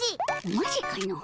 マジかの。